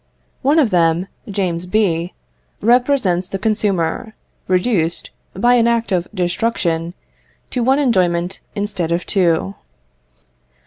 One of them, James B., represents the consumer, reduced, by an act of destruction, to one enjoyment instead of two.